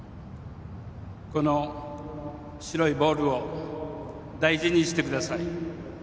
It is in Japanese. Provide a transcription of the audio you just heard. この白いボールを大事にしてください。